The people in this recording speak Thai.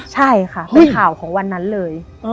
ใช่ค่ะเป็นข่าวของวันนั้นเลย